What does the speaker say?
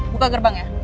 buka gerbang ya